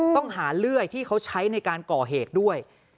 ต้องหาเลื่อยที่เขาใช้ในการก่อเหตุด้วย